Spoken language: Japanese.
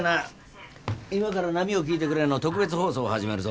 今から『波よ聞いてくれ』の特別放送を始めるぞ。